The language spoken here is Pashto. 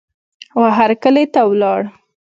وهرکلې ته ولاړ